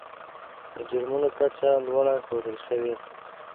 د جرمونو کچه لوړه ښودل شوې.